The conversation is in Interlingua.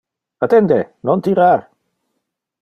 Attende, non tirar!